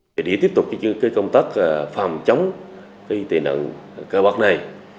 để tiếp tục công tác phạm chống tệ nạn cờ bạc này